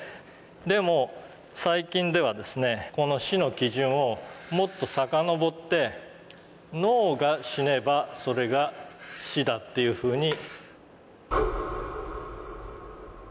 でも最近ではこの「死」の基準をもっと遡って脳が死ねばそれが死だっていうふうに。